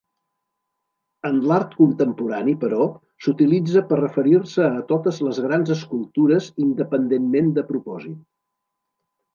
En l'art contemporani, però, s'utilitza per referir-se a totes les grans escultures independentment de propòsit.